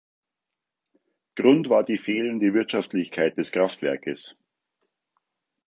Grund war die fehlende Wirtschaftlichkeit des Kraftwerkes.